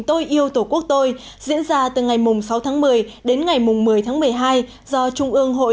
tôi yêu tổ quốc tôi diễn ra từ ngày sáu tháng một mươi đến ngày một mươi tháng một mươi hai do trung ương hội